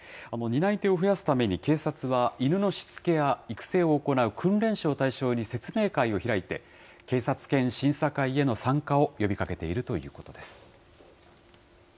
担い手を増やすために、警察は犬のしつけや育成を行う訓練士を対象に説明会を開いて、警察犬審査会への参加を呼びかけているということです。